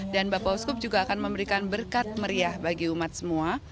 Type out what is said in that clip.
dan bapak uskup juga akan memberikan berkat meriah bagi umat semua